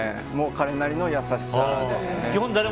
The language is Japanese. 彼なりの優しさです。